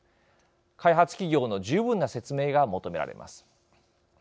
開発企業の十分な説明が求められます。